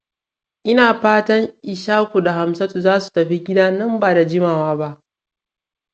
Ina fatan Ishaku da Hamsatu za su tafi gida nan ba da jimawa ba.